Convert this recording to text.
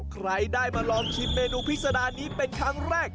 ใครได้มาลองชิมเมนูพิษดานี้เป็นครั้งแรก